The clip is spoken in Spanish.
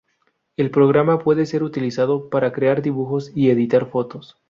El programa puede ser utilizado para crear dibujos y editar fotos.